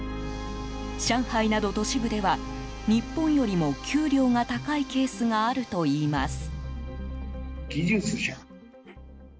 上海など都市部では日本よりも給料が高いケースがあるといいます。